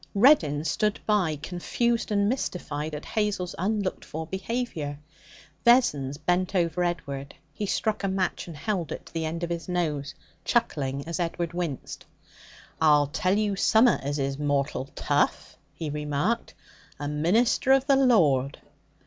Reddin stood by, confused and mystified at Hazel's unlooked for behaviour. Vessons bent over Edward. He struck a match and held it to the end of his nose, chuckling as Edward winced. 'I'll tell you summat as is mortal tough!' he remarked. 'A minister of the Lord!